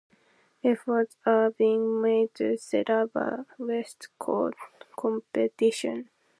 Efforts are being made to set up a west coast competition.